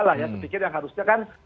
saya pikir yang harusnya kan